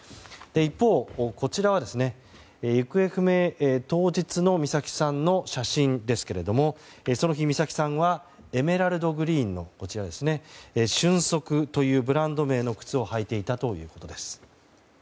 一方、こちらは行方不明当日の美咲さんの写真ですがその日、美咲さんはエメラルドグリーンの瞬足というブランド名の靴を履いていたということです。